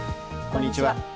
こんにちは。